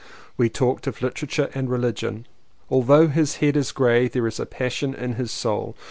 We talked of literature and religion. Although his head is grey there is passion in his soul.